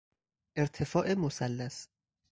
ارتفاع مثلث